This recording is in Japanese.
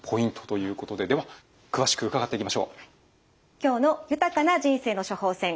今日の「豊かな人生の処方せん」